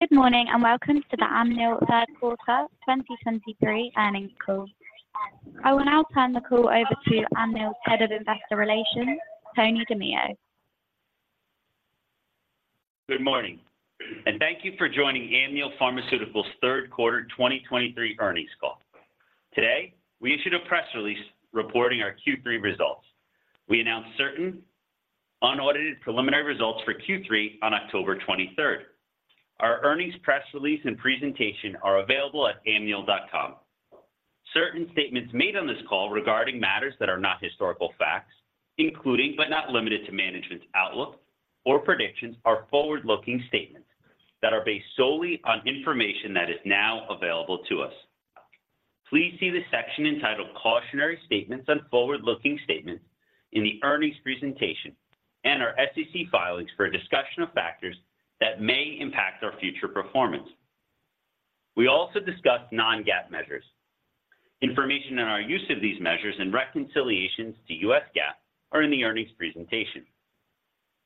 Good morning, and welcome to the Amneal third quarter 2023 earnings call. I will now turn the call over to Amneal's Head of Investor Relations, Tony DiMeo. Good morning, and thank you for joining Amneal Pharmaceuticals third quarter 2023 earnings call. Today, we issued a press release reporting our Q3 results. We announced certain unaudited preliminary results for Q3 on October 23rd. Our earnings press release and presentation are available at amneal.com. Certain statements made on this call regarding matters that are not historical facts, including but not limited to management's outlook or predictions, are forward-looking statements that are based solely on information that is now available to us. Please see the section entitled Cautionary Statements and Forward-Looking Statements in the earnings presentation and our SEC filings for a discussion of factors that may impact our future performance. We also discussed non-GAAP measures. Information on our use of these measures and reconciliations to U.S. GAAP are in the earnings presentation.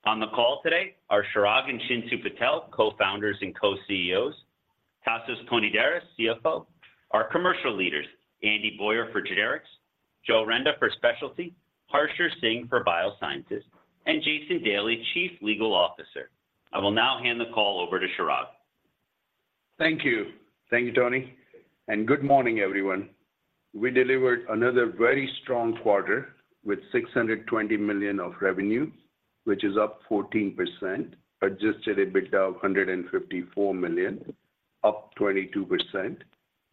On the call today are Chirag and Chintu Patel, Co-founders and Co-CEOs, Tasos Konidaris, CFO, our commercial leaders, Andy Boyer for Generics, Joe Renda for Specialty, Harsher Singh for Biosciences, and Jason Daly, Chief Legal Officer. I will now hand the call over to Chirag. Thank you. Thank you, Tony, and good morning, everyone. We delivered another very strong quarter with $620 million of revenue, which is up 14%, adjusted EBITDA of $154 million, up 22%,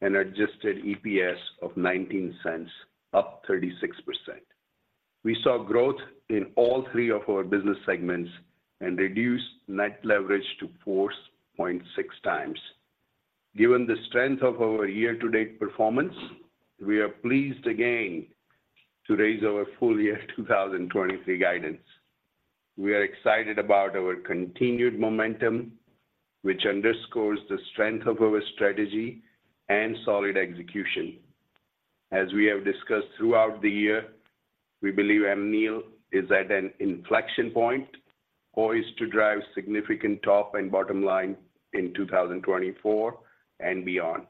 and adjusted EPS of $0.19, up 36%. We saw growth in all three of our business segments and reduced net leverage to 4.6x. Given the strength of our year-to-date performance, we are pleased again to raise our full-year 2023 guidance. We are excited about our continued momentum, which underscores the strength of our strategy and solid execution. As we have discussed throughout the year, we believe Amneal is at an inflection point, poised to drive significant top and bottom-line in 2024 and beyond.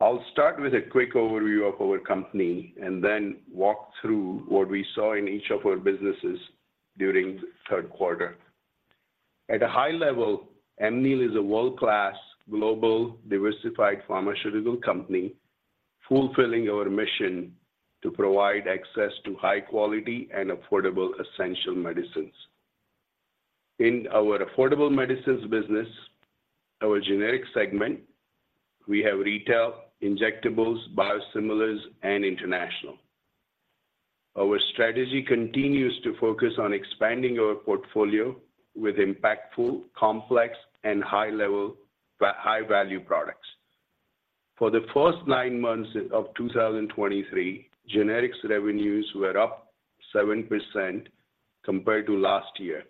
I'll start with a quick overview of our company, and then walk through what we saw in each of our businesses during the third quarter. At a high level, Amneal is a world-class, global, diversified pharmaceutical company, fulfilling our mission to provide access to high-quality and affordable essential medicines. In our Affordable Medicines business, our Generics segment, we have Retail, Injectables, Biosimilars, and International. Our strategy continues to focus on expanding our portfolio with impactful, complex, and high-value products. For the first nine months of 2023, Generics revenues were up 7% compared to last year,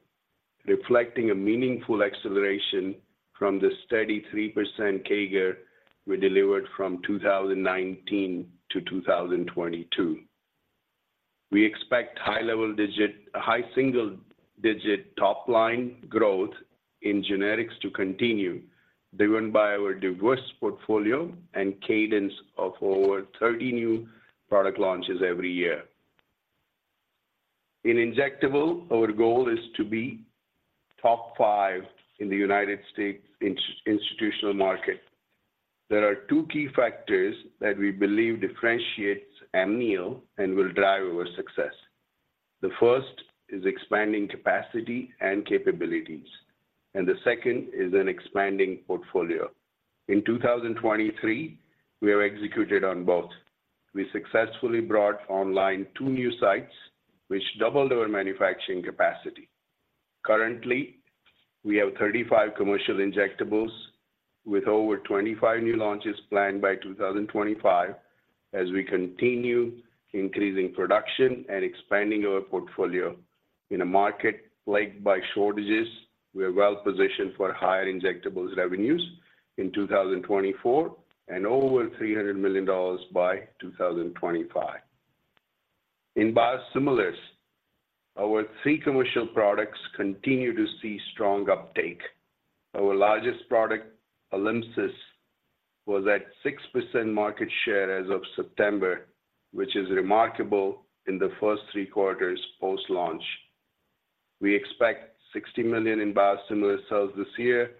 reflecting a meaningful acceleration from the steady 3% CAGR we delivered from 2019 to 2022. We expect high single-digit top-line growth in Generics to continue, driven by our diverse portfolio and cadence of over 30 new product launches every year. In Injectables, our goal is to be top five in the United States institutional market. There are two key factors that we believe differentiates Amneal and will drive our success. The first is expanding capacity and capabilities, and the second is an expanding portfolio. In 2023, we have executed on both. We successfully brought online two new sites, which doubled our manufacturing capacity. Currently, we have 35 commercial Injectables with over 25 new launches planned by 2025, as we continue increasing production and expanding our portfolio. In a market plagued by shortages, we are well-positioned for higher Injectables revenues in 2024 and over $300 million by 2025. In Biosimilars, our three commercial products continue to see strong uptake. Our largest product, Alymsys, was at 6% market share as of September, which is remarkable in the first three quarters post-launch. We expect $60 million in Biosimilar sales this year,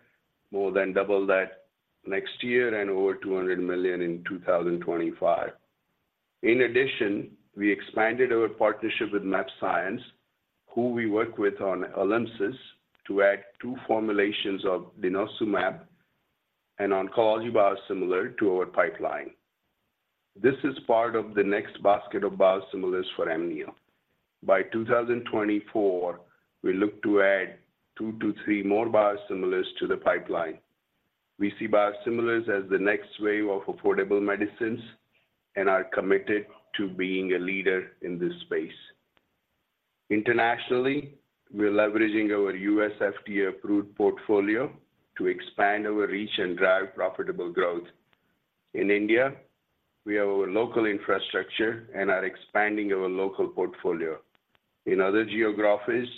more than double that next year, and over $200 million in 2025. In addition, we expanded our partnership with mAbxience, who we work with on Alymsys, to add two formulations of denosumab and oncology biosimilar to our pipeline. This is part of the next basket of biosimilars for Amneal. By 2024, we look to add two to three more biosimilars to the pipeline. We see biosimilars as the next wave of affordable medicines and are committed to being a leader in this space. Internationally, we're leveraging our U.S. FDA-approved portfolio to expand our reach and drive profitable growth. In India, we have our local infrastructure and are expanding our local portfolio. In other geographies,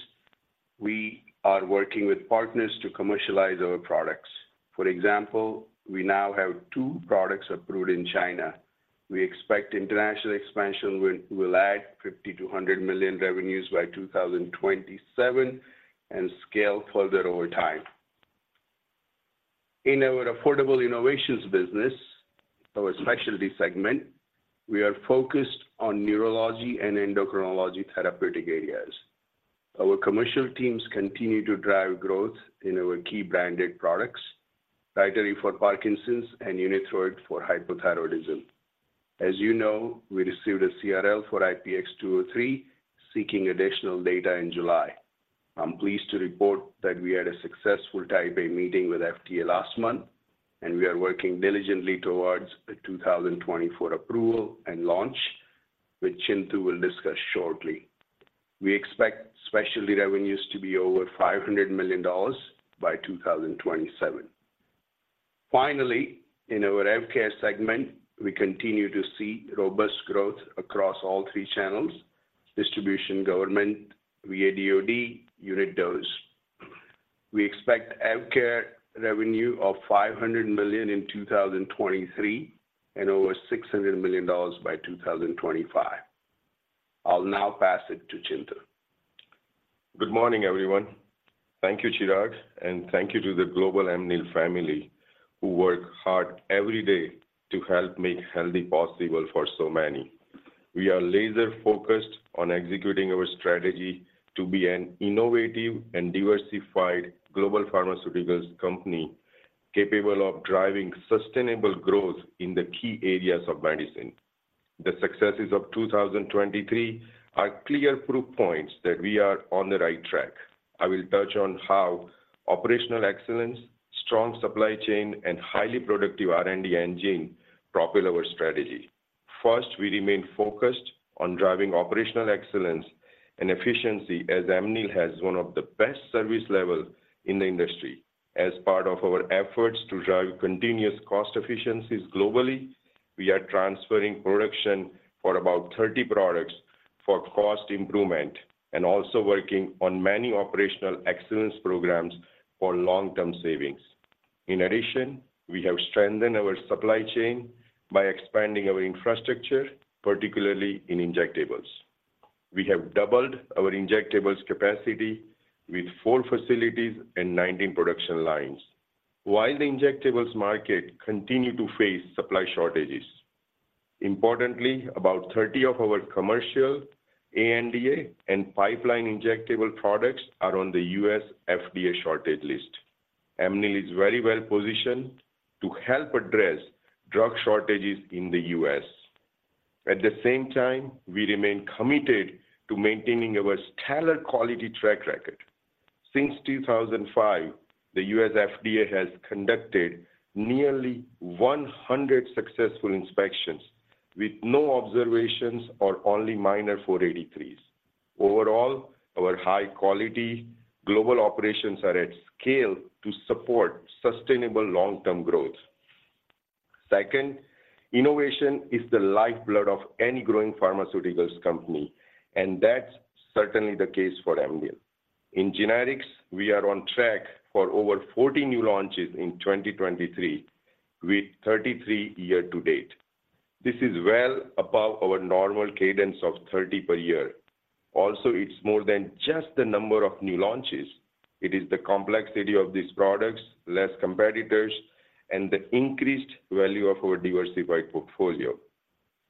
we are working with partners to commercialize our products. For example, we now have two products approved in China. We expect international expansion will add $50-$100 million revenues by 2027 and scale further over time. In our Affordable Innovations business, our Specialty segment, we are focused on neurology and endocrinology therapeutic areas. Our commercial teams continue to drive growth in our key branded products, Rytary for Parkinson's and Unithroid for hypothyroidism. As you know, we received a CRL for IPX-203, seeking additional data in July. I'm pleased to report that we had a successful Type A meeting with FDA last month, and we are working diligently towards a 2024 approval and launch, which Chintu will discuss shortly. We expect specialty revenues to be over $500 million by 2027. Finally, in our AvKARE segment, we continue to see robust growth across all three channels: distribution, government, via DOD unit dose. We expect AvKARE revenue of $500 million in 2023, and over $600 million by 2025. I'll now pass it to Chintu. Good morning, everyone. Thank you, Chirag, and thank you to the global Amneal family, who work hard every day to help make healthy possible for so many. We are laser-focused on executing our strategy to be an innovative and diversified global pharmaceuticals company, capable of driving sustainable growth in the key areas of medicine. The successes of 2023 are clear proof points that we are on the right track. I will touch on how operational excellence, strong supply chain, and highly productive R&D engine propel our strategy. First, we remain focused on driving operational excellence and efficiency, as Amneal has one of the best service levels in the industry. As part of our efforts to drive continuous cost efficiencies globally, we are transferring production for about 30 products for cost improvement, and also working on many operational excellence programs for long-term savings. In addition, we have strengthened our supply chain by expanding our infrastructure, particularly in Injectables. We have doubled our Injectables capacity with four facilities and 19 production lines, while the Injectables market continue to face supply shortages. Importantly, about 30 of our commercial ANDA and pipeline Injectable products are on the U.S. FDA shortage list. Amneal is very well positioned to help address drug shortages in the U.S. At the same time, we remain committed to maintaining our stellar quality track record. Since 2005, the U.S. FDA has conducted nearly 100 successful inspections with no observations or only minor 483s. Overall, our high-quality global operations are at scale to support sustainable long-term growth. Second, innovation is the lifeblood of any growing pharmaceuticals company, and that's certainly the case for Amneal. In Generics, we are on track for over 40 new launches in 2023, with 33 year-to-date. This is well above our normal cadence of 30 per year. Also, it's more than just the number of new launches. It is the complexity of these products, less competitors, and the increased value of our diversified portfolio.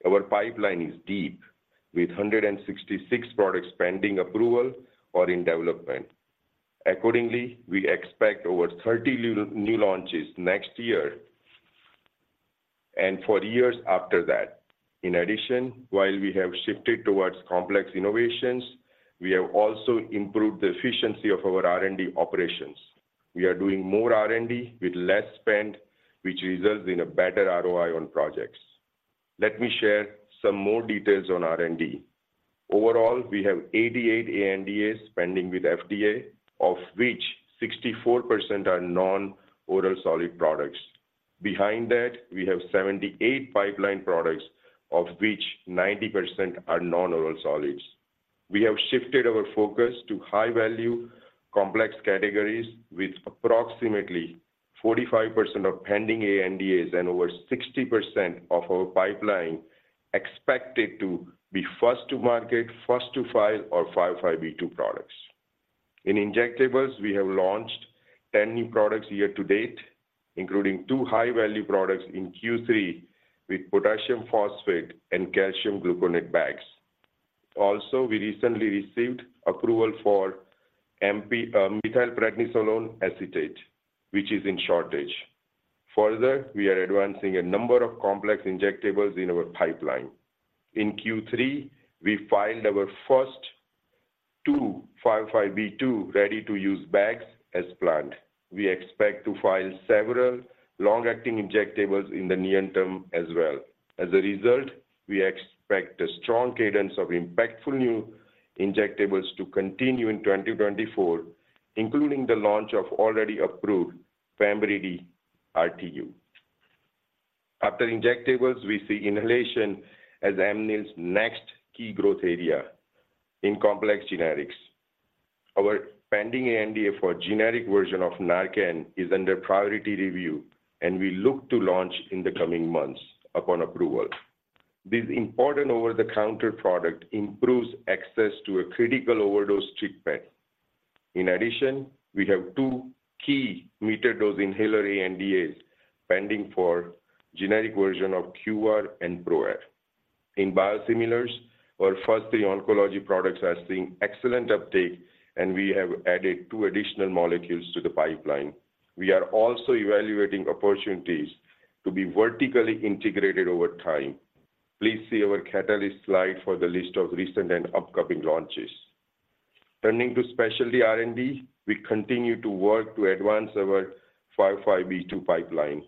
Our pipeline is deep, with 166 products pending approval or in development. Accordingly, we expect over 30 new launches next year and four years after that. In addition, while we have shifted towards complex innovations, we have also improved the efficiency of our R&D operations. We are doing more R&D with less spend, which results in a better ROI on projects. Let me share some more details on R&D. Overall, we have 88 ANDAs pending with FDA, of which 64% are non-oral solid products. Behind that, we have 78 pipeline products, of which 90% are non-oral solids. We have shifted our focus to high-value, complex categories, with approximately 45% of pending ANDAs and over 60% of our pipeline expected to be first to market, first to file, or 505(b)(2) products. In Injectables, we have launched 10 new products year-to-date, including two high-value products in Q3 with potassium phosphate and calcium gluconate bags. Also, we recently received approval for methylprednisolone acetate, which is in shortage. Further, we are advancing a number of complex injectables in our pipeline. In Q3, we filed our first two 505(b)(2) ready-to-use bags as planned. We expect to file several long-acting injectables in the near term as well. As a result, we expect a strong cadence of impactful new injectables to continue in 2024, including the launch of already approved Pemrydi RTU. After injectables, we see inhalation as Amneal's next key growth area in complex generics. Our pending NDA for a generic version of Narcan is under priority review, and we look to launch in the coming months upon approval. This important over-the-counter product improves access to a critical overdose treatment. In addition, we have two key metered-dose inhaler NDAs pending for generic version of Qvar and ProAir. In Biosimilars, our first three oncology products are seeing excellent uptake, and we have added two additional molecules to the pipeline. We are also evaluating opportunities to be vertically integrated over time. Please see our catalyst slide for the list of recent and upcoming launches. Turning to Specialty R&D, we continue to work to advance our 505(b)(2) pipeline.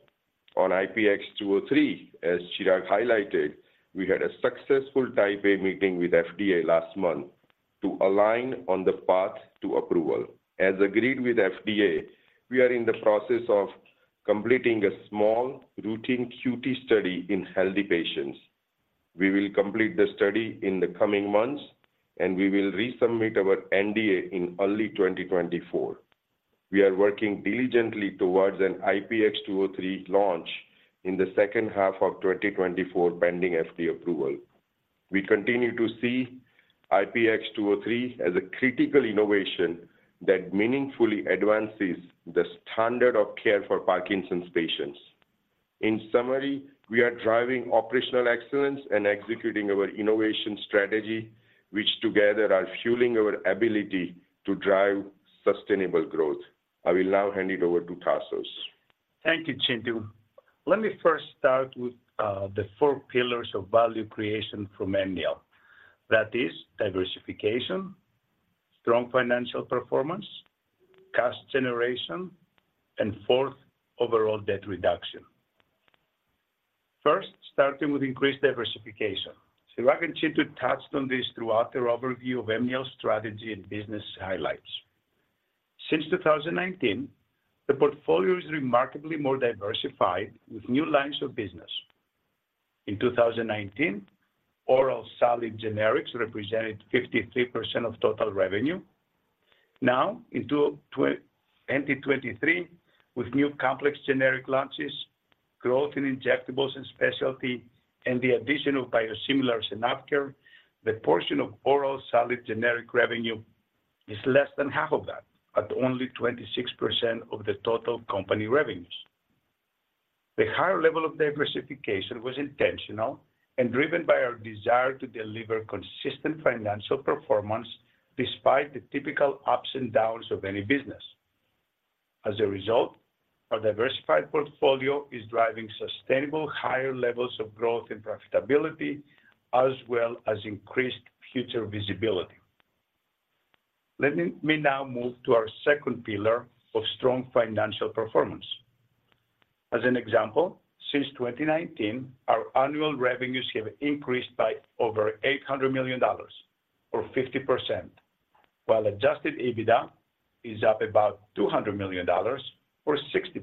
On IPX203, as Chirag highlighted, we had a successful Type A meeting with FDA last month to align on the path to approval. As agreed with FDA, we are in the process of completing a small routine QT study in healthy patients. We will complete the study in the coming months, and we will resubmit our NDA in early 2024. We are working diligently towards an IPX203 launch in the second half of 2024, pending FDA approval. We continue to see IPX203 as a critical innovation that meaningfully advances the standard of care for Parkinson's patients. In summary, we are driving operational excellence and executing our innovation strategy, which together are fueling our ability to drive sustainable growth. I will now hand it over to Tasos. Thank you, Chintu. Let me first start with the four pillars of value creation from Amneal. That is diversification, strong financial performance, cash generation, and fourth, overall debt reduction. First, starting with increased diversification. Chirag and Chintu touched on this throughout their overview of Amneal's strategy and business highlights. Since 2019, the portfolio is remarkably more diversified with new lines of business. In 2019, oral solid generics represented 53% of total revenue. Now, in 2023, with new complex generic launches, growth in Injectables and Specialty, and the addition of biosimilars in AvKARE, the portion of oral solid generic revenue is less than half of that, at only 26% of the total company revenues. The higher level of diversification was intentional and driven by our desire to deliver consistent financial performance, despite the typical ups and downs of any business. As a result, our diversified portfolio is driving sustainable higher levels of growth and profitability, as well as increased future visibility. Let me now move to our second pillar of strong financial performance. As an example, since 2019, our annual revenues have increased by over $800 million, or 50%, while adjusted EBITDA is up about $200 million, or 60%.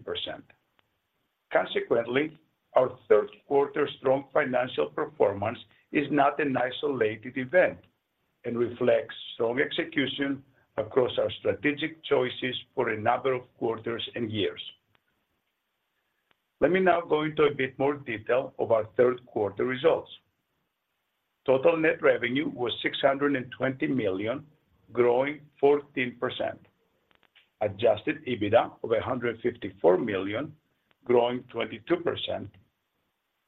Consequently, our third quarter strong financial performance is not an isolated event and reflects strong execution across our strategic choices for a number of quarters and years. Let me now go into a bit more detail of our third quarter results. Total net revenue was $620 million, growing 14%. Adjusted EBITDA of $154 million, growing 22%.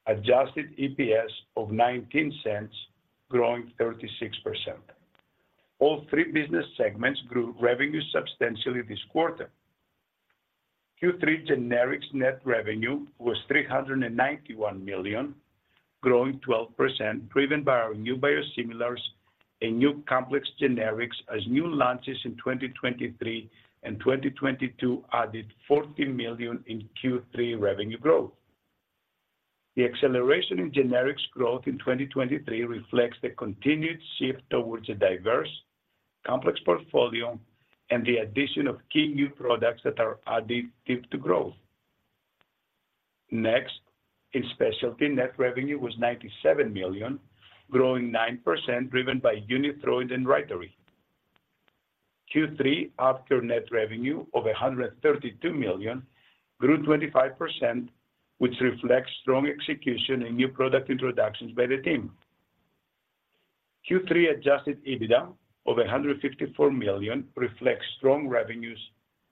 Adjusted EPS of $0.19, growing 36%. All three business segments grew revenue substantially this quarter. Q3 generics net revenue was $391 million, growing 12%, driven by our new biosimilars and new complex generics as new launches in 2023 and 2022 added $14 million in Q3 revenue growth. The acceleration in generics growth in 2023 reflects the continued shift towards a diverse, complex portfolio and the addition of key new products that are additive to growth. Next, in specialty, net revenue was $97 million, growing 9%, driven by Unithroid and Rytary. Q3 AvKARE net revenue of $132 million grew 25%, which reflects strong execution and new product introductions by the team. Q3 adjusted EBITDA of $154 million reflects strong revenues,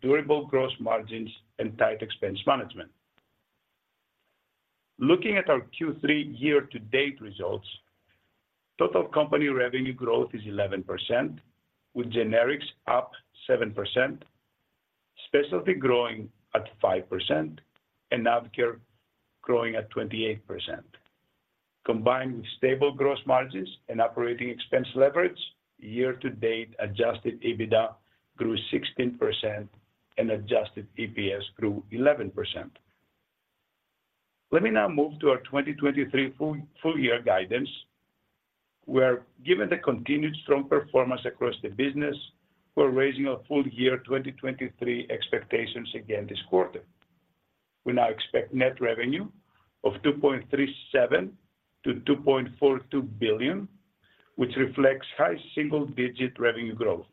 durable gross margins, and tight expense management. Looking at our Q3 year-to-date results, total company revenue growth is 11%, with Generics up 7%, Specialty growing at 5%, and AvKARE growing at 28%. Combined with stable gross margins and operating expense leverage, year-to-date adjusted EBITDA grew 16% and adjusted EPS grew 11%. Let me now move to our 2023 full-year guidance, where, given the continued strong performance across the business, we're raising our full-year 2023 expectations again this quarter. We now expect net revenue of $2.37 billion-$2.42 billion, which reflects high single-digit revenue growth.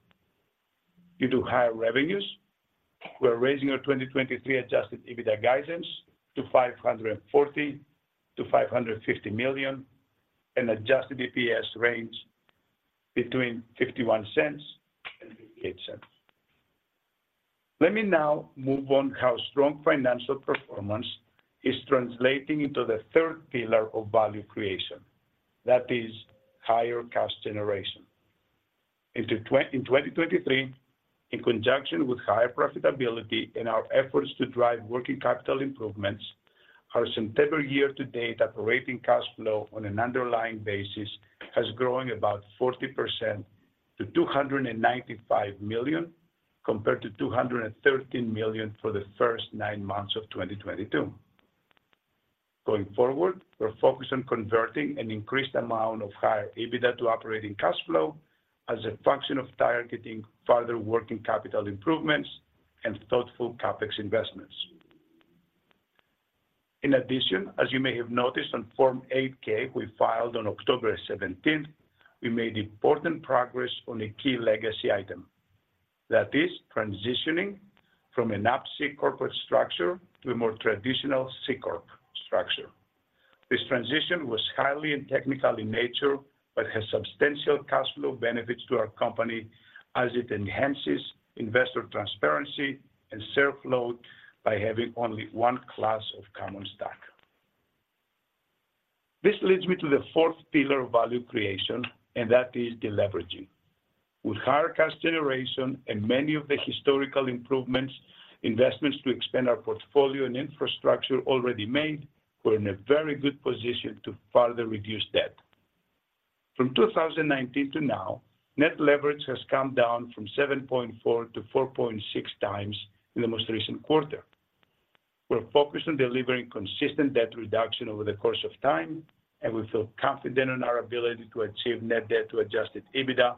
Due to higher revenues, we're raising our 2023 adjusted EBITDA guidance to $540 million-$550 million, and adjusted EPS range between $0.51 and $0.58. Let me now move on how strong financial performance is translating into the third pillar of value creation. That is, higher cash generation. In 2023, in conjunction with higher profitability and our efforts to drive working capital improvements, our September year-to-date operating cash flow on an underlying basis has grown about 40% to $295 million, compared to $213 million for the first nine months of 2022. Going forward, we're focused on converting an increased amount of higher EBITDA to operating cash flow as a function of targeting further working capital improvements and thoughtful CapEx investments. In addition, as you may have noticed on Form 8-K, we filed on October 17th, we made important progress on a key legacy item. That is transitioning from an Up-C corporate structure to a more traditional C-Corp structure. This transition was highly technical in nature, but has substantial cash flow benefits to our company as it enhances investor transparency and share flow by having only one class of common stock. This leads me to the fourth pillar of value creation, and that is deleveraging. With higher cash generation and many of the historical improvements, investments to expand our portfolio and infrastructure already made, we're in a very good position to further reduce debt. From 2019 to now, net leverage has come down from 7.4x to 4.6x in the most recent quarter. We're focused on delivering consistent debt reduction over the course of time, and we feel confident in our ability to achieve net debt to adjusted EBITDA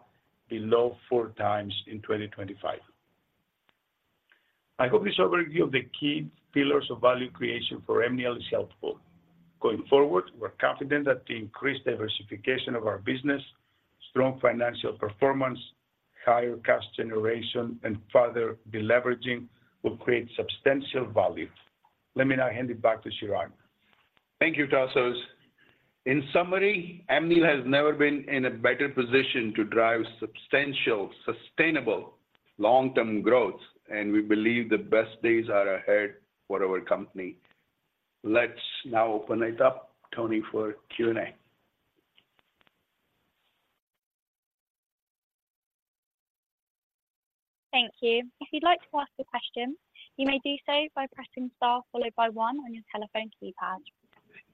below 4x in 2025. I hope this overview of the key pillars of value creation for Amneal is helpful. Going forward, we're confident that the increased diversification of our business, strong financial performance, higher cash generation, and further deleveraging will create substantial value. Let me now hand it back to Chirag. Thank you, Tasos. In summary, Amneal has never been in a better position to drive substantial, sustainable, long-term growth, and we believe the best days are ahead for our company. Let's now open it up, Tony, for Q&A. Thank you. If you'd like to ask a question, you may do so by pressing star followed by one on your telephone keypad.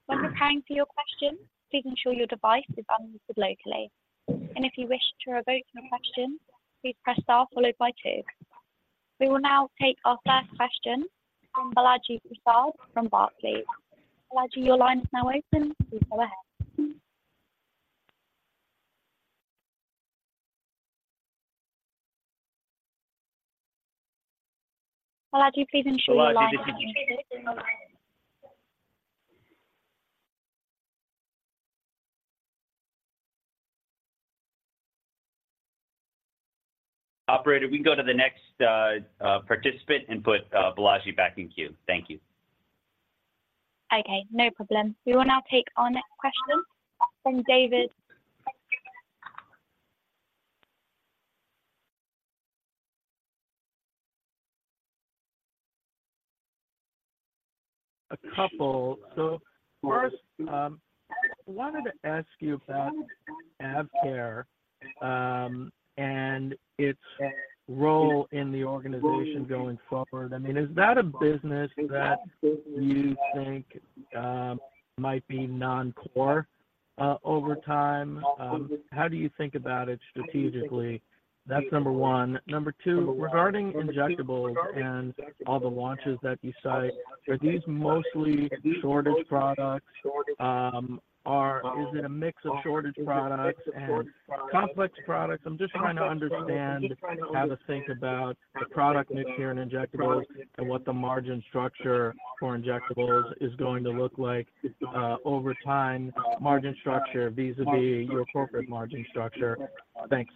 When preparing for your question, please ensure your device is unmuted locally, and if you wish to revoke a question, please press star followed by two. We will now take our first question from Balaji Prasad from Barclays. Balaji, your line is now open. Please go ahead. Balaji, please ensure your line is- Operator, we can go to the next participant and put Balaji back in queue. Thank you. Okay, no problem. We will now take our next question from David. A couple. So first, I wanted to ask you about AvKARE, and its role in the organization going forward. I mean, is that a business that you think, might be non-core, over time? How do you think about it strategically? That's number one. Number two, regarding Injectables and all the launches that you cite, are these mostly shortage products? Is it a mix of shortage products and complex products? I'm just trying to understand how to think about the product mix here in Injectables and what the margin structure for Injectables is going to look like, over time, margin structure, vis-à-vis your corporate margin structure. Thanks.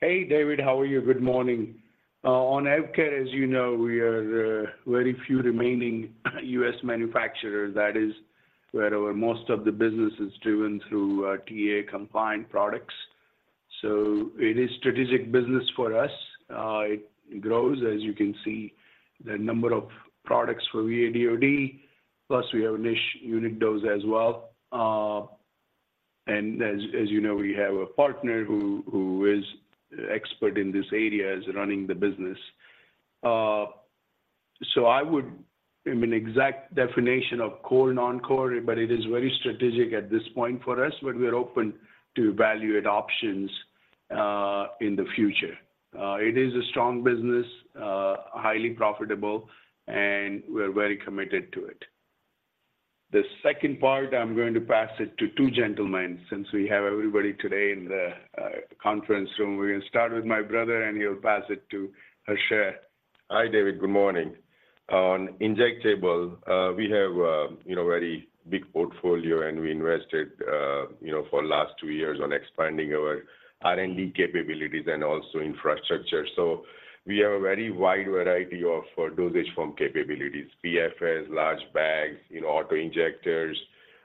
Hey, David, how are you? Good morning. On AvKARE, as you know, we are very few remaining U.S. manufacturers. That is where our most of the business is driven through TAA compliant products. So it is strategic business for us. It grows, as you can see, the number of products for VA/DoD, plus we have a niche unit dose as well. And as you know, we have a partner who is expert in this area, is running the business. So I would I mean, exact definition of core, non-core, but it is very strategic at this point for us, but we are open to evaluate options in the future. It is a strong business, highly profitable, and we're very committed to it. The second part, I'm going to pass it to two gentlemen, since we have everybody today in the conference room. We're going to start with my brother, and he'll pass it to Harsher. Hi, David. Good morning. On Injectable, we have a, you know, very big portfolio, and we invested, you know, for the last two years on expanding our R&D capabilities and also infrastructure. So we have a very wide variety of dosage form capabilities, PFS, large bags, you know, auto-injectors,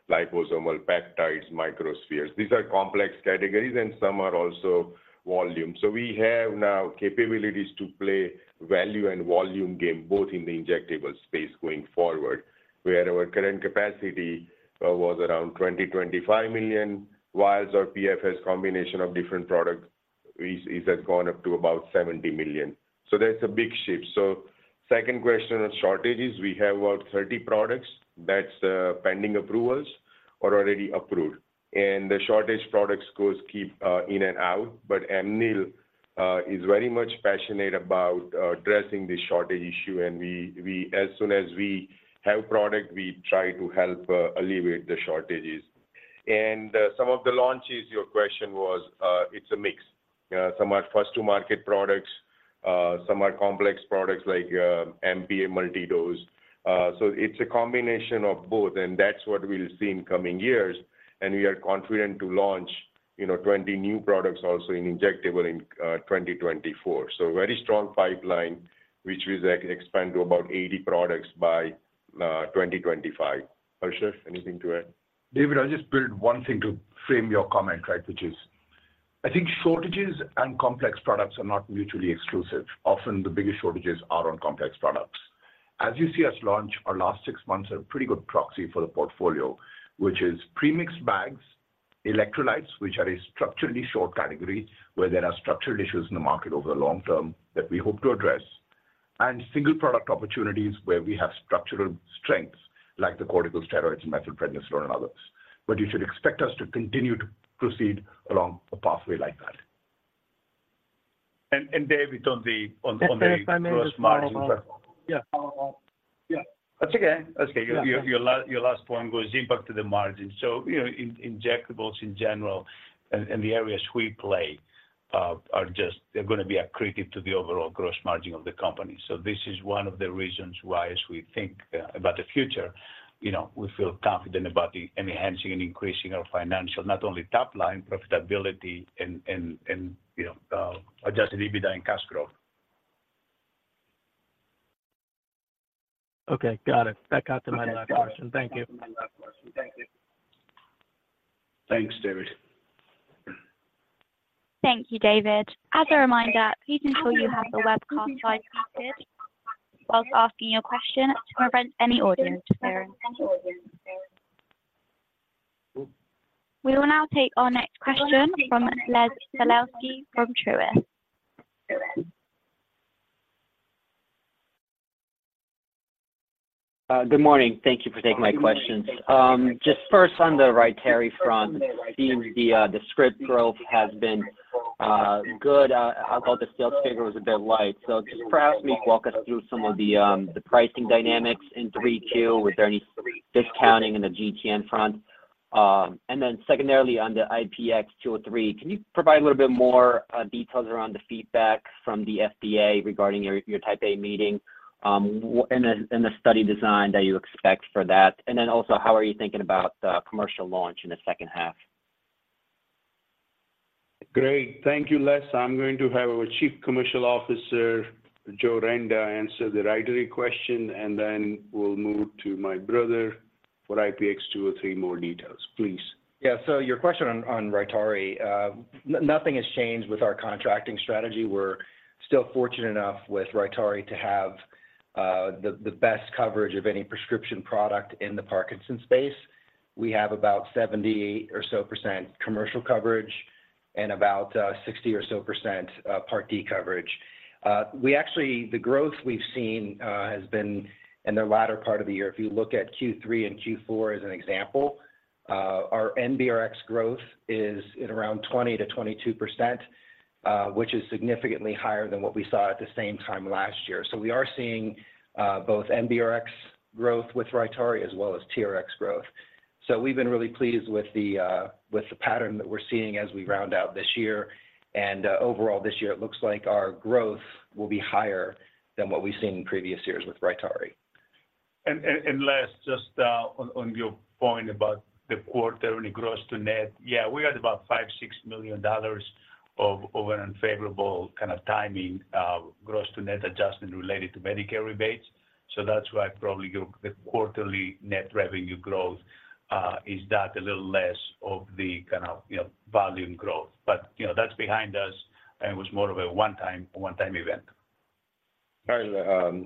liposomal peptides, microspheres. These are complex categories, and some are also volume. So we have now capabilities to play value and volume game, both in the Injectable space going forward, where our current capacity was around 20 million-25 million vials or PFS combination of different products, is gone up to about 70 million. So that's a big shift. So second question on shortages, we have about 30 products that's pending approvals or already approved. The shortage products goes keep in and out, but Amneal is very much passionate about addressing the shortage issue. As soon as we have product, we try to help alleviate the shortages. Some of the launches, your question was, it's a mix. Some are first-to-market products, some are complex products like MP multi-dose. So it's a combination of both, and that's what we'll see in coming years. We are confident to launch, you know, 20 new products also in Injectable in 2024. So very strong pipeline, which will actually expand to about 80 products by 2025. Harsher, anything to add? David, I'll just build one thing to frame your comment, right, which is, I think shortages and complex products are not mutually exclusive. Often, the biggest shortages are on complex products. As you see us launch, our last six months are a pretty good proxy for the portfolio, which is pre-mixed bags, electrolytes, which are a structurally short category, where there are structural issues in the market over the long term that we hope to address, and single product opportunities where we have structural strengths, like the corticosteroids, methylprednisolone, and others. But you should expect us to continue to proceed along a pathway like that. David, on the- Can I just follow up? Yeah. Uh, yeah. That's okay. That's okay. Your last point was impact to the margin. So, you know, Injectables, in general, and the areas we play are just, they're going to be accretive to the overall gross margin of the company. So this is one of the reasons why, as we think about the future, you know, we feel confident about the enhancing and increasing our financial, not only top line profitability and, you know, adjusted EBITDA and cash growth. Okay, got it. That got to my last question. Thank you. Thanks, David. Thank you, David. As a reminder, please ensure you have the webcast unmuted while asking your question to prevent any audio interference. We will now take our next question from Les Sulewski from Truist. Good morning. Thank you for taking my questions. Just first on the Rytary front, seeing the script growth has been good, how about the sales figure was a bit light. So, just perhaps maybe walk us through some of the pricing dynamics in Q3. Was there any discounting in the GTN front? And then secondarily, on the IPX203, can you provide a little bit more details around the feedback from the FDA regarding your Type A meeting, and the study design that you expect for that? And then also, how are you thinking about the commercial launch in the second half? Great. Thank you, Les. I'm going to have our Chief Commercial Officer, Joe Renda, answer the Rytary question, and then we'll move to my brother for IPX203 more details. Please. Yeah. So, your question on Rytary, nothing has changed with our contracting strategy. We're still fortunate enough with Rytary to have the best coverage of any prescription product in the Parkinson's space. We have about 70% or so commercial coverage and about 60% or so Part D coverage. We actually. The growth we've seen has been in the latter part of the year. If you look at Q3 and Q4 as an example, our NBRX growth is at around 20%-22%, which is significantly higher than what we saw at the same time last year. So we are seeing both NBRX growth with Rytary as well as TRX growth. So we've been really pleased with the pattern that we're seeing as we round out this year, and overall this year, it looks like our growth will be higher than what we've seen in previous years with Rytary. Les, just on your point about the quarterly gross to net, yeah, we had about $5-$6 million of an unfavorable kind of timing gross to net adjustment related to Medicare rebates. So that's why probably your the quarterly net revenue growth is that a little less of the kind of, you know, volume growth. But, you know, that's behind us, and it was more of a one-time event. I'll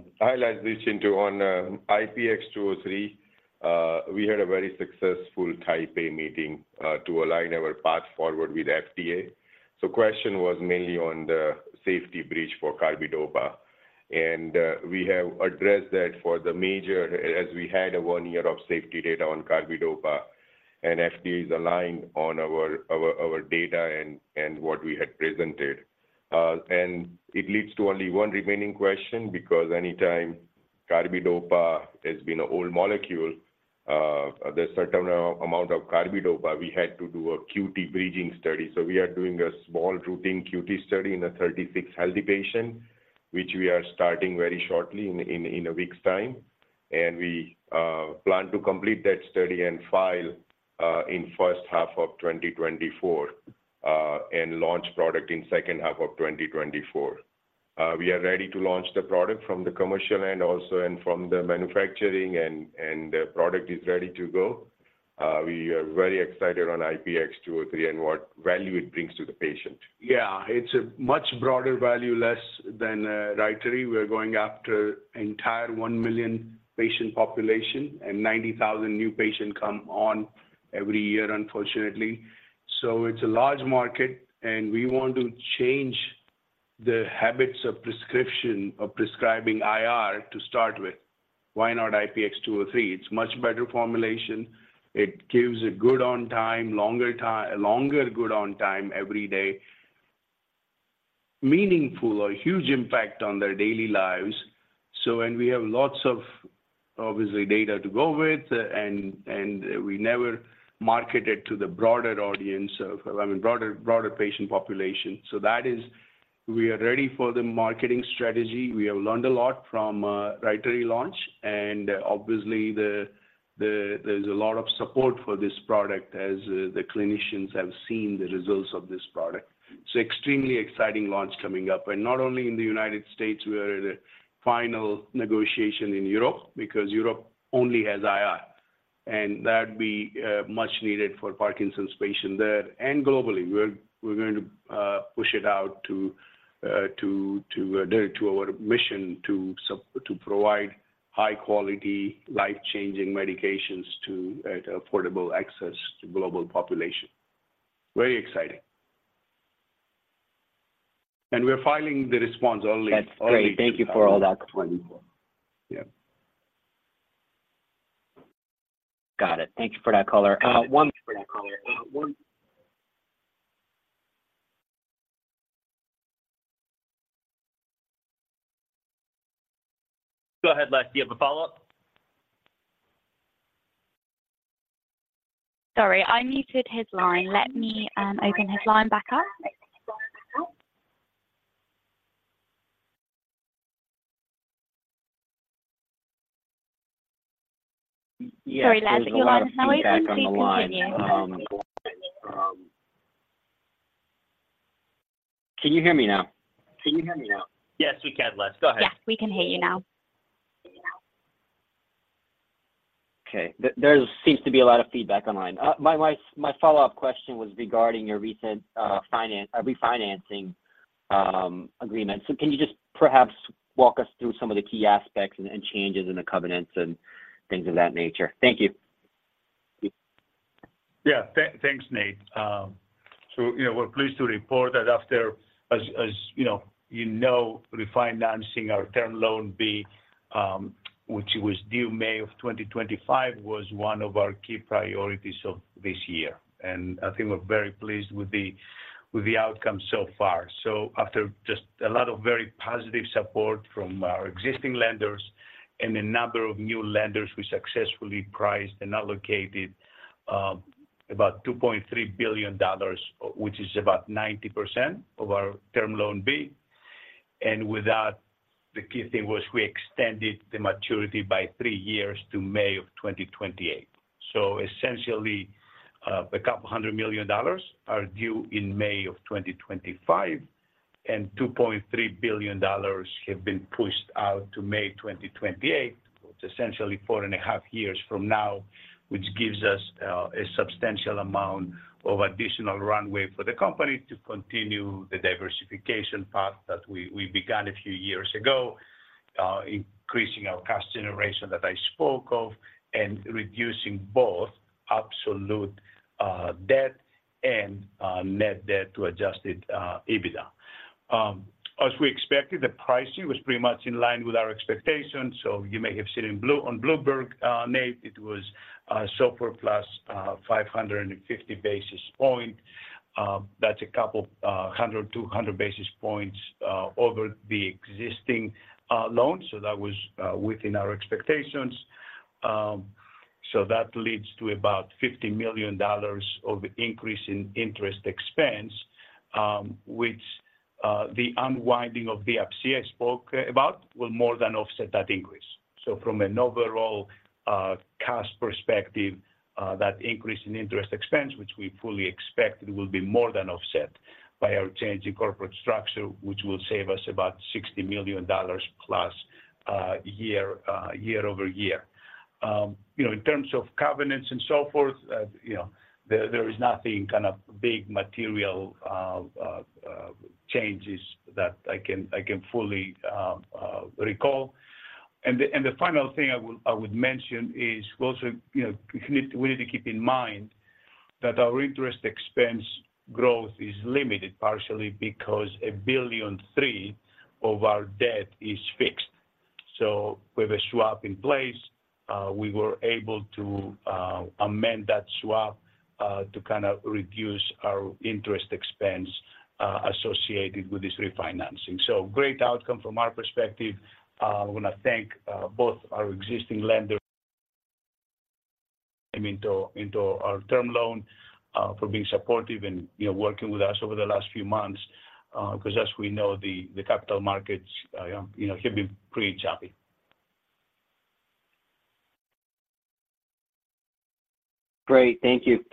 add this into on IPX203. We had a very successful Type A meeting to align our path forward with FDA. So question was mainly on the safety bridge for carbidopa and we have addressed that for the major, as we had 1 year of safety data on carbidopa, and FDA is aligned on our data and what we had presented. And it leads to only one remaining question, because anytime carbidopa has been an old molecule, the certain amount of carbidopa, we had to do a QT bridging study. So we are doing a small routine QT study in 36 healthy patients, which we are starting very shortly in a week's time. And we plan to complete that study and file in first half of 2024, and launch product in second half of 2024. We are ready to launch the product from the commercial end also and from the manufacturing and the product is ready to go. We are very excited on IPX203 and what value it brings to the patient. Yeah, it's a much broader value less than Rytary. We're going after the entire 1 million patient population, and 90,000 new patient come on every year, unfortunately. So it's a large market, and we want to change the habits of prescription, of prescribing IR to start with. Why not IPX203? It's a much better formulation. It gives a good on time, longer time, longer good on time every day, meaningful or huge impact on their daily lives. So and we have lots of, obviously, data to go with, and, and we never market it to the broader audience of, I mean, broader, broader patient population. So that is, we are ready for the marketing strategy. We have learned a lot from Rytary launch, and obviously, the, there's a lot of support for this product as the clinicians have seen the results of this product. It's extremely exciting launch coming up, and not only in the United States, we are in the final negotiation in Europe because Europe only has IR. And that'd be much needed for Parkinson's patient there and globally. We're going to push it out to our mission to provide high-quality, life-changing medications to affordable access to global population. Very exciting. And we're filing the response only- That's great. Thank you for all that. 2024. Yeah. Got it. Thank you for that color. One- Go ahead, Les. Do you have a follow-up? Sorry, I muted his line. Let me open his line back up. Yeah, there's a lot of feedback on the line. Can you hear me now? Can you hear me now? Yes, we can, Les. Go ahead. Yes, we can hear you now. Okay. There seems to be a lot of feedback online. My follow-up question was regarding your recent financial refinancing agreement. So can you just perhaps walk us through some of the key aspects and changes in the covenants and things of that nature? Thank you. Yeah. Thanks, Les. So, you know, we're pleased to report that after... As you know, refinancing our term loan B, which was due May 2025, was one of our key priorities of this year, and I think we're very pleased with the outcome so far. So after just a lot of very positive support from our existing lenders and a number of new lenders, we successfully priced and allocated about $2.3 billion, which is about 90% of our term loan B. And with that, the key thing was we extended the maturity by three years to May 2028. So essentially, a couple hundred million dollars are due in May 2025, and $2.3 billion have been pushed out to May 2028. It's essentially four and a half years from now, which gives us a substantial amount of additional runway for the company to continue the diversification path that we, we began a few years ago, increasing our cash generation that I spoke of and reducing both absolute debt and net debt to adjusted EBITDA. As we expected, the pricing was pretty much in line with our expectations, so you may have seen it on Bloomberg, Nate. It was SOFR plus 550 basis points. That's a couple hundred, 200 basis points over the existing loan, so that was within our expectations. So that leads to about $50 million of increase in interest expense, which the unwinding of the Up-C I spoke about will more than offset that increase. So from an overall cost perspective, that increase in interest expense, which we fully expect, will be more than offset by our changing corporate structure, which will save us about $60 million plus year-over-year. You know, in terms of covenants and so forth, you know, there is nothing kind of big material changes that I can fully recall. And the final thing I would mention is also, you know, we need to keep in mind that our interest expense growth is limited partially because $1.3 billion of our debt is fixed. So with a swap in place, we were able to amend that swap to kind of reduce our interest expense associated with this refinancing. So great outcome from our perspective. I want to thank both our existing lender, I mean, to, into our term loan for being supportive and, you know, working with us over the last few months because as we know, the, the capital markets, you know, can be pretty choppy. Great. Thank you.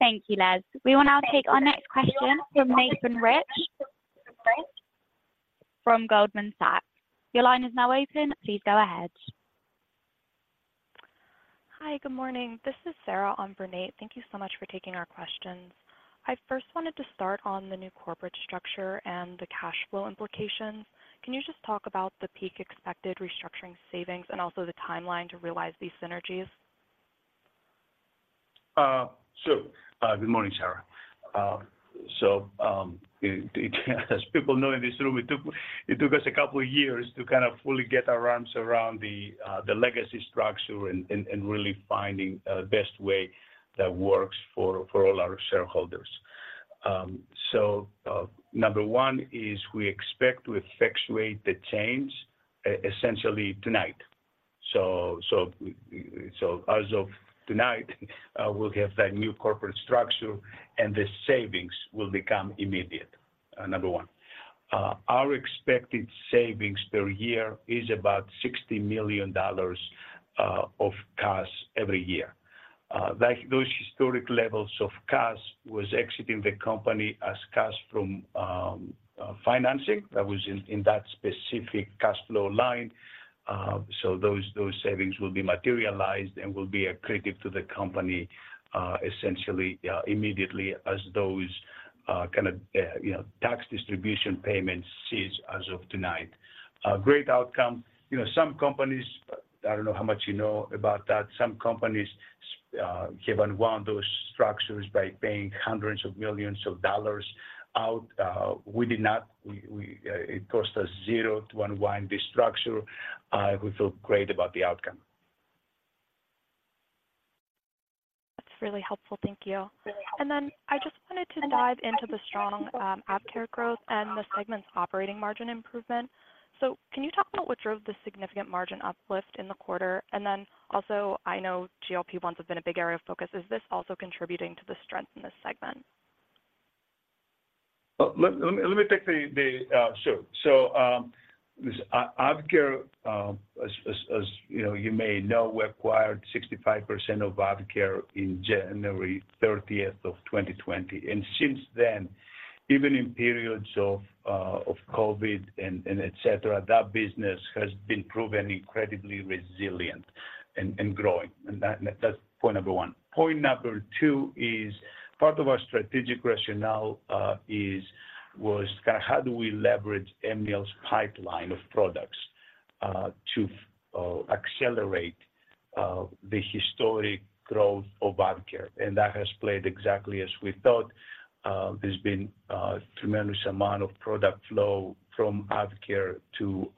Thank you, Les. We will now take our next question from Nathan Rich from Goldman Sachs. Your line is now open. Please go ahead. Hi, good morning. This is Sarah on for Nate. Thank you so much for taking our questions. I first wanted to start on the new corporate structure and the cash flow implications. Can you just talk about the peak expected restructuring savings and also the timeline to realize these synergies? So, good morning, Sarah. As people know in this room, it took us a couple of years to kind of fully get our arms around the legacy structure and really finding the best way that works for all our shareholders. Number one is we expect to effectuate the change essentially tonight. So as of tonight, we'll have that new corporate structure, and the savings will become immediate, number one. Our expected savings per year is about $60 million of cash every year. Those historic levels of cash was exiting the company as cash from financing that was in that specific cash flow line. So those, those savings will be materialized and will be accretive to the company, essentially, immediately as those, kind of, you know, tax distribution payments cease as of tonight. A great outcome. You know, some companies, I don't know how much you know about that, some companies, have unwound those structures by paying hundreds of millions dollars out, we did not. We, it cost us 0 to unwind this structure. We feel great about the outcome. That's really helpful. Thank you. And then I just wanted to dive into the strong AvKARE growth and the segment's operating margin improvement. So can you talk about what drove the significant margin uplift in the quarter? And then also, I know GLP-1s have been a big area of focus. Is this also contributing to the strength in this segment? Sure. So, this AvKARE, as you know, we acquired 65% of AvKARE in January 30, 2020. And since then, even in periods of COVID and etc., that business has been proven incredibly resilient and growing, and that's point number one. Point number two is part of our strategic rationale, was kind of how do we leverage MBL's pipeline of products to accelerate the historic growth of AvKARE? And that has played exactly as we thought. There's been a tremendous amount of product flow from MBL to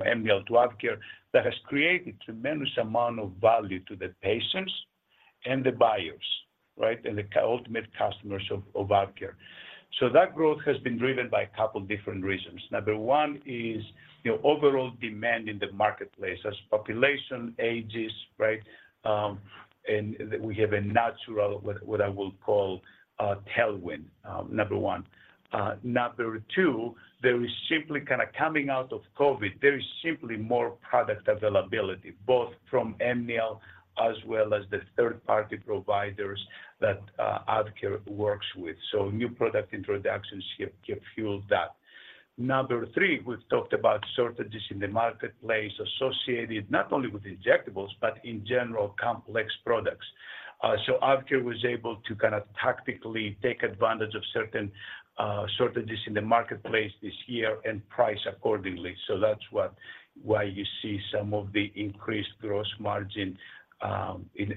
AvKARE, that has created a tremendous amount of value to the patients and the buyers, right? And the ultimate customers of AvKARE. So that growth has been driven by a couple different reasons. Number one is, you know, overall demand in the marketplace as population ages, right? And we have a natural, what I will call, tailwind, number one. Number two, there is simply kind of coming out of COVID, there is simply more product availability, both from MBL as well as the third-party providers that AvKARE works with. So new product introductions have fueled that. Number three, we've talked about shortages in the marketplace associated not only with Injectables, but in general complex products. So AvKARE was able to kind of tactically take advantage of certain shortages in the marketplace this year and price accordingly. So that's why you see some of the increased gross margin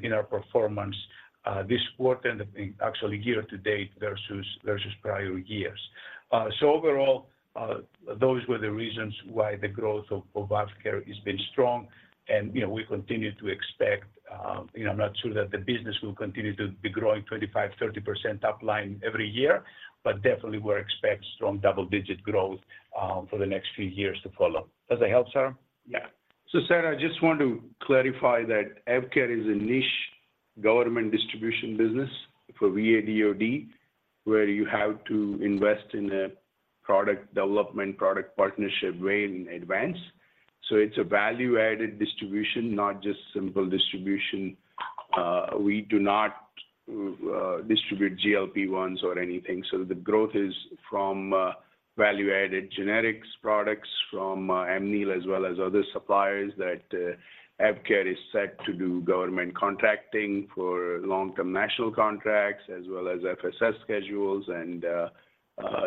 in our performance this quarter and actually year to date versus prior years. So overall, those were the reasons why the growth of AvKARE has been strong. And, you know, we continue to expect, you know, I'm not sure that the business will continue to be growing 25%-30% top line every year, but definitely we expect strong double-digit growth for the next few years to follow. Does that help, Sarah? Yeah. So, Sarah, I just want to clarify that AvKARE is a niche government distribution business for VA and DoD, where you have to invest in a product development, product partnership way in advance. So it's a value-added distribution, not just simple distribution. We do not distribute GLP-1s or anything. So the growth is from, value-added generics products from Amneal as well as other suppliers that AvKARE is set to do government contracting for long-term national contracts, as well as FSS schedules and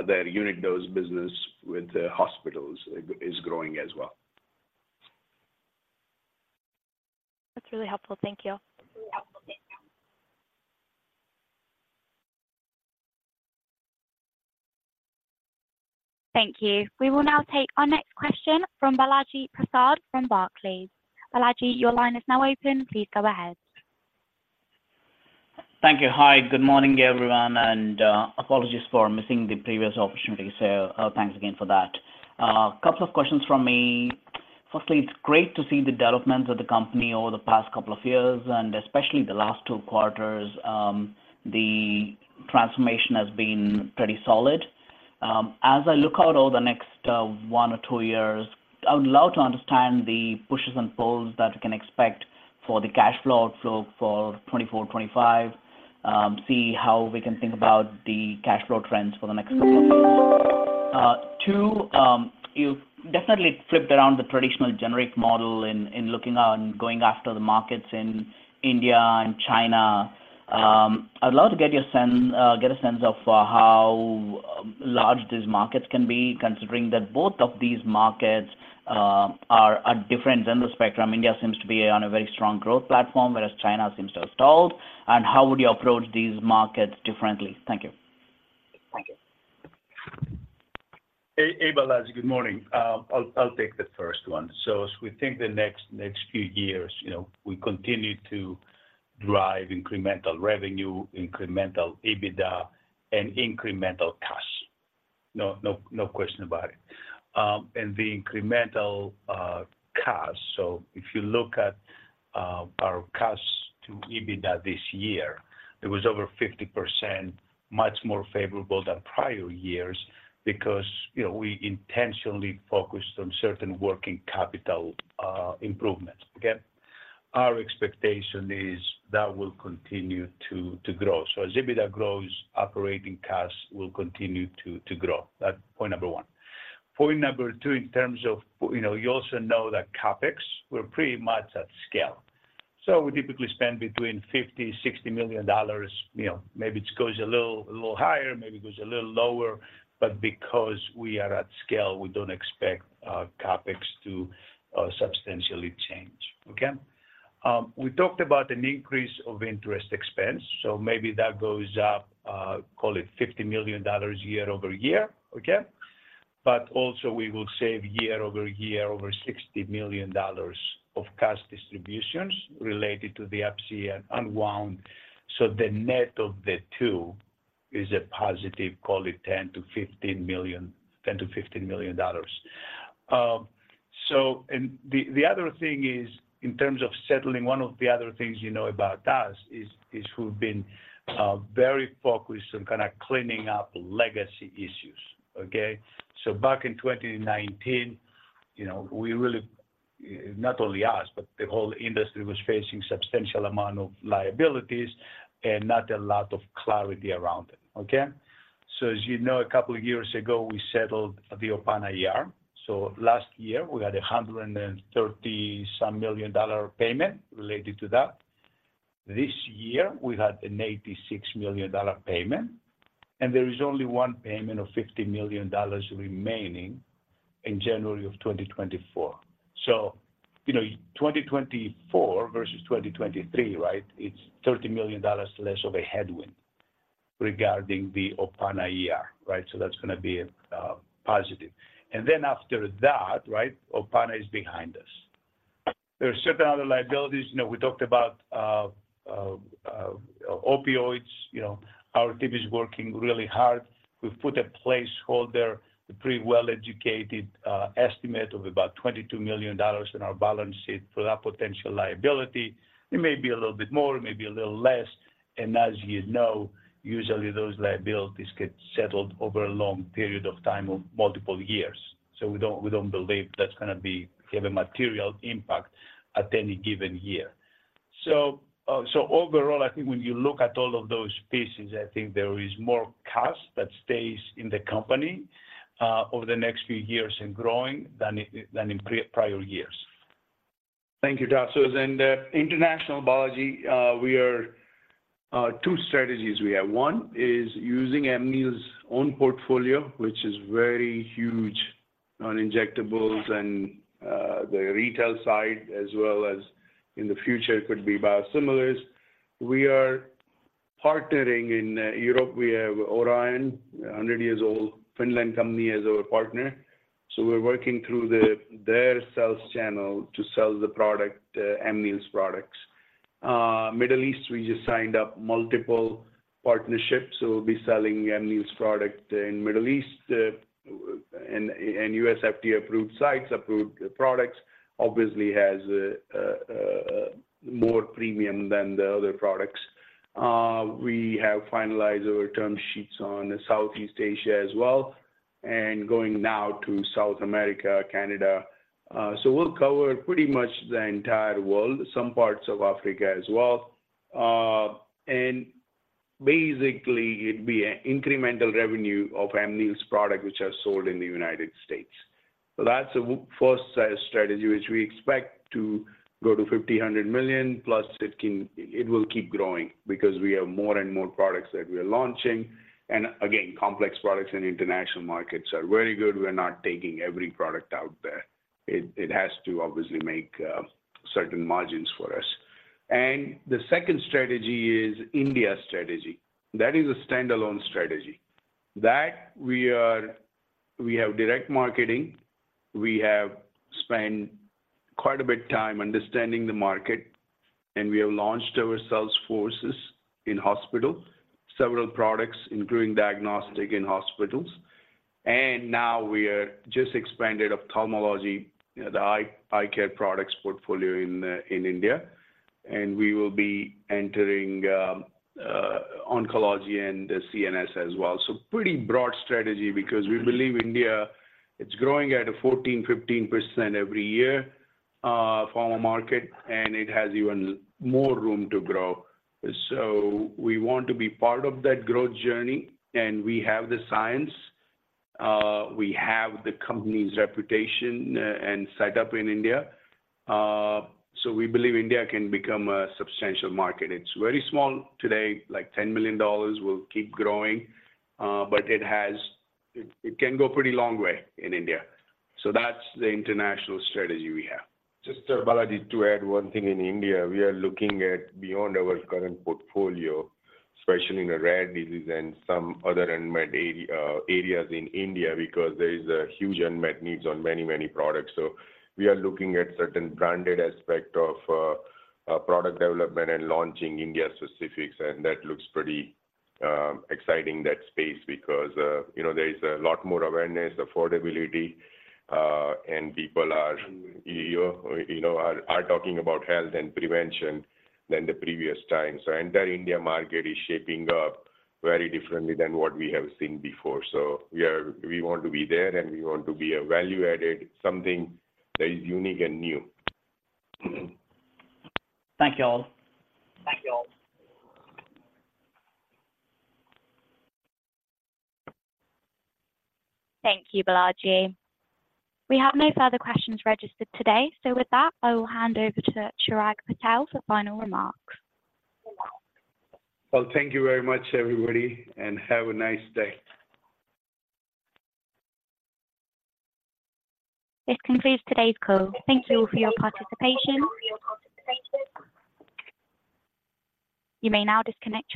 their unit dose business with the hospitals is growing as well. That's really helpful. Thank you. Thank you. We will now take our next question from Balaji Prasad from Barclays. Balaji, your line is now open. Please go ahead. Thank you. Hi, good morning, everyone, and apologies for missing the previous opportunity. So, thanks again for that. A couple of questions from me. Firstly, it's great to see the development of the company over the past couple of years, and especially the last two quarters, the transformation has been pretty solid. As I look out over the next one or two years, I would love to understand the pushes and pulls that we can expect for the cash flow outflow for 2024, 2025, see how we can think about the cash flow trends for the next couple years. Two, you've definitely flipped around the traditional generic model in looking on going after the markets in India and China. I'd love to get a sense of how large these markets can be, considering that both of these markets are different than the spectrum. India seems to be on a very strong growth platform, whereas China seems to have stalled. How would you approach these markets differently? Thank you. Hey, Balaji, good morning. I'll take the first one. So as we think the next few years, you know, we continue to drive incremental revenue, incremental EBITDA, and incremental cash. No, no, no question about it. And the incremental cash, so if you look at our cash to EBITDA this year, it was over 50%, much more favorable than prior years because, you know, we intentionally focused on certain working capital improvements, okay? Our expectation is that will continue to grow. So as EBITDA grows, operating cash will continue to grow. That's point number one. Point number two, in terms of, you know, you also know that CapEx, we're pretty much at scale. So we typically spend between $50-$60 million, you know, maybe it goes a little higher, maybe it goes a little lower, but because we are at scale, we don't expect CapEx to substantially change, okay? We talked about an increase of interest expense, so maybe that goes up, call it $50 million year-over-year, okay? But also, we will save year-over-year over $60 million of cash distributions related to the Up-C and unwind. So the net of the two is a positive, call it $10-$15 million, $10-$15 million. So and the other thing is, in terms of settling, one of the other things you know about us is we've been very focused on kind of cleaning up legacy issues, okay? So back in 2019, you know, we really, not only us, but the whole industry was facing substantial amount of liabilities and not a lot of clarity around it, okay? So as you know, a couple of years ago, we settled the Opana ER. So last year, we had a $130-some million payment related to that. This year, we had an $86 million payment, and there is only one payment of $50 million remaining in January of 2024. So you know, 2024 versus 2023, right, it's $30 million less of a headwind regarding the Opana ER, right? So that's gonna be positive. And then after that, right, Opana is behind us. There are certain other liabilities. You know, we talked about opioids. You know, our team is working really hard. We've put a placeholder, a pretty well-educated estimate of about $22 million in our balance sheet for that potential liability. It may be a little bit more, maybe a little less, and as you know, usually those liabilities get settled over a long period of time of multiple years. So we don't, we don't believe that's gonna be, have a material impact at any given year. So, so overall, I think when you look at all of those pieces, I think there is more cash that stays in the company, over the next few years in growing than in, than in prior years. Thank you, Tasos. And, International, Balaji, we are, two strategies we have. One is using Amneal's own portfolio, which is very huge on Injectables and, the Retail side, as well as in the future, it could be biosimilars. We are partnering in Europe. We have Orion, a 100-year-old Finnish company, as our partner, so we're working through their sales channel to sell the product, Amneal's products. Middle East, we just signed up multiple partnerships, so we'll be selling Amneal's product in Middle East, and U.S. FDA-approved sites. Approved products obviously has a more premium than the other products. We have finalized our term sheets on Southeast Asia as well, and going now to South America, Canada. So we'll cover pretty much the entire world, some parts of Africa as well. and basically, it'd be an incremental revenue of MNE's product, which are sold in the United States. So that's a first strategy, which we expect to go to $50-$100 million, plus iitwill keep growing because we have more and more products that we are launching. And again, complex products in international markets are very good. We're not taking every product out there. It, it has to obviously make certain margins for us. And the second strategy is India strategy. That is a standalone strategy. That we are-- we have direct marketing, we have spent quite a bit of time understanding the market, and we have launched our sales forces in hospital, several products, including diagnostic in hospitals. Now we are just expanded ophthalmology, the eye care products portfolio in India, and we will be entering oncology and CNS as well. So pretty broad strategy because we believe India, it's growing at a 14%-15% every year, pharma market, and it has even more room to grow. So we want to be part of that growth journey, and we have the science, we have the company's reputation, and set up in India. So we believe India can become a substantial market. It's very small today, like $10 million, will keep growing, but it has, it can go a pretty long way in India. So that's the international strategy we have. Just, Balaji, to add one thing in India, we are looking at beyond our current portfolio, especially in the rare diseases and some other unmet areas in India, because there is a huge unmet needs on many, many products. So we are looking at certain branded aspect of product development and launching India specifics, and that looks pretty exciting, that space, because, you know, there is a lot more awareness, affordability, and people are, you know, talking about health and prevention than the previous time. So entire India market is shaping up very differently than what we have seen before. So we are, we want to be there, and we want to be a value-added, something that is unique and new. Thank you all. Thank you all. Thank you, Balaji. We have no further questions registered today. So with that, I will hand over to Chirag Patel for final remarks. Well, thank you very much, everybody, and have a nice day. This concludes today's call. Thank you all for your participation. You may now disconnect.